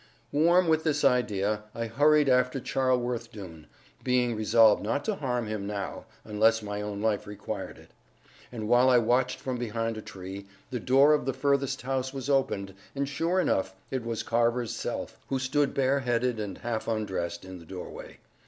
Warm with this idea, I hurried after Charleworth Doone, being resolved not to harm him now, unless my own life required it. And while I watched from behind a tree, the door of the furthest house was opened; and, sure enough, it was Carver's self, who stood bareheaded, and half undressed, in the doorway.